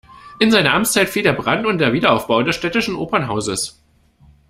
In seine Amtszeit fiel der Brand und der Wiederaufbau des Städtischen Opernhauses.